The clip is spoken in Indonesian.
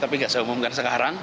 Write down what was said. tapi nggak saya umumkan sekarang